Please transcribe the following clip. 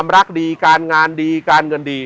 รักดีการงานดีการเงินดี